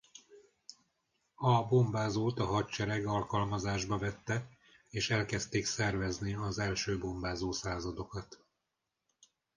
A bombázót a hadsereg alkalmazásba vette és elkezdték szervezni az első bombázó századokat.